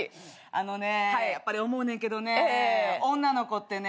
あのねやっぱり思うねんけどね女の子ってね